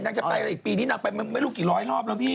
จะไปอะไรอีกปีนี้นางไปไม่รู้กี่ร้อยรอบแล้วพี่